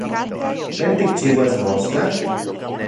¿Tlen tikchiuas mostla?